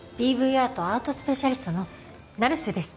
アートアートスペシャリストの成瀬です